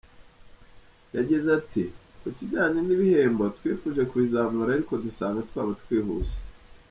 Yagize ati “Ku kijyanye n’ibihembo twifuje kubizamura ariko dusanga twaba twihuse.